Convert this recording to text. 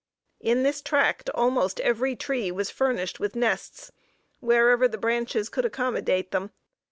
In this tract almost every tree was furnished with nests, wherever the branches could accommodate them.